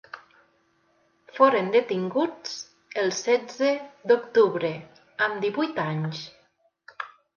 Foren detinguts el setze d’octubre, amb divuit anys.